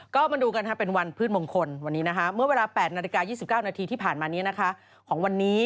ก็มาดูกันเป็นวันพืชมงคลวันนี้เมื่อเวลา๘นาฬิกา๒๙นาทีที่ผ่านมานี้นะคะของวันนี้